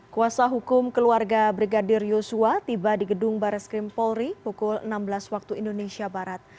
kuasa hukum keluarga brigadir yusua tiba di gedung baras krimpolri pukul enam belas waktu indonesia barat